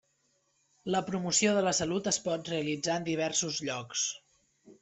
La promoció de la salut es pot realitzar en diversos llocs.